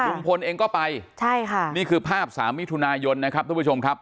ลุงพลเองก็ไปใช่ค่ะนี่คือภาพสามมิถุนายนนะครับทุกผู้ชมครับ